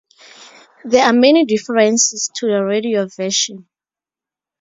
There are many differences to the radio version.